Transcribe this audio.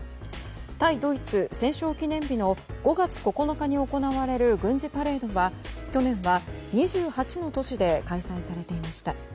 対ドイツ戦勝記念日の５月９日に行われる軍事パレードは去年は２８の都市で開催されていました。